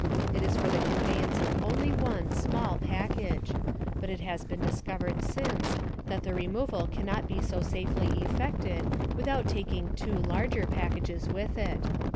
It is for the conveyance of only one SMALL package; but it has been discovered since, that the removal cannot be so safely effected without taking two larger packages with it.